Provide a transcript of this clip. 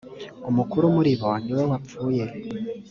umukuru muribo niwe wapfuye.